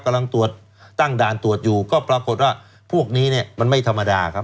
กำลังตรวจตั้งด่านตรวจอยู่ก็ปรากฏว่าพวกนี้เนี่ยมันไม่ธรรมดาครับ